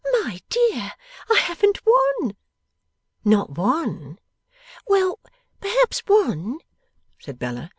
'My dear, I haven't one!' 'Not one?' 'Well! Perhaps one,' said Bella.